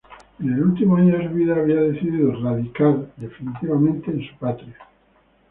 En el último año de su vida había decidido radicar definitivamente en su patria.